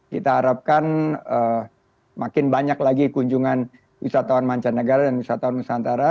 kita harapkan makin banyak lagi kunjungan wisatawan mancanegara dan wisatawan nusantara